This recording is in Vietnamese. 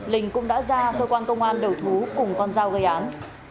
linh cũng đã ra cơ quan công an đầu thú cùng con dao gây án